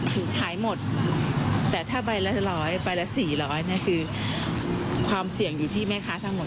คือขายหมดแต่ถ้าใบละร้อยใบละ๔๐๐เนี่ยคือความเสี่ยงอยู่ที่แม่ค้าทั้งหมด